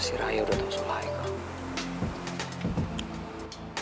si raya udah dateng sulai kok